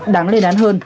đáng lên án hơn